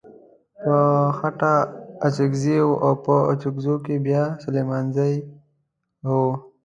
په خټه اڅکزی و او په اڅګزو کې بيا سليمانزی و.